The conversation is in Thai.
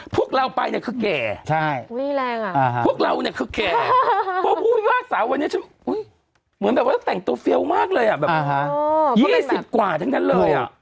พวกเราไปเนี่ยคือแก่